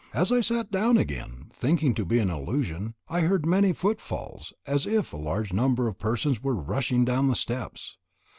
As I sat down again, thinking it to be an illusion, I heard many footfalls, as if a large number of persons were rushing down the steps.